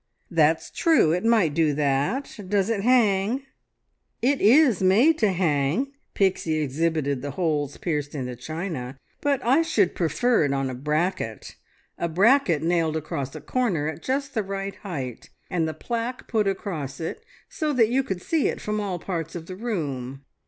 "That's true. It might do that. Does it hang?" "It is made to hang," Pixie exhibited the holes pierced in the china, "but I should prefer it on a bracket! A bracket nailed across a corner at just the right height, and the plaque put across it, so that you could see it from all parts of the room.